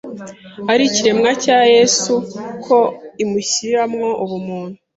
ari ikiremwa cy’Yesu ko imushyiramo ubumuntu